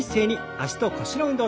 脚と腰の運動。